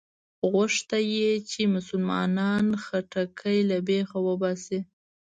غوښته یې چې مسلمانانو خټکی له بېخه وباسي.